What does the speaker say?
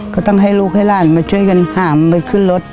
ก็ต้องให้ลูกให้หลานมาช่วยกันหามไปขึ้นรถ